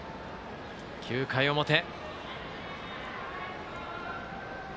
９回表。